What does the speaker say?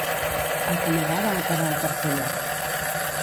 El Canadà va acabar al tercer lloc.